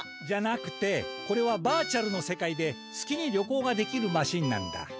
じゃなくてこれはバーチャルの世界ですきに旅行ができるマシンなんだ。